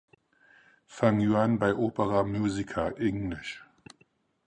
Fang Yuan bei Opera Musica (englisch)